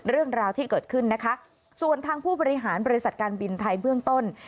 เรื่องราวที่เกิดขึ้นนะคะส่วนทางผู้บริหารบริษัทการบินไทยเบื้องต้น